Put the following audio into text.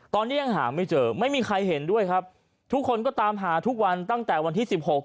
ตอนนี้ยังหาไม่เจอไม่มีใครเห็นด้วยครับทุกคนก็ตามหาทุกวันตั้งแต่วันที่สิบหก